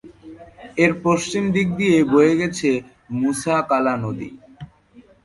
এর পশ্চিম দিক দিয়ে বয়ে গেছে মুসা কালা নদী।